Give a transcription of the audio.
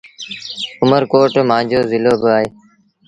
اُمر ڪوٽ مآݩجو زلو با اهي۔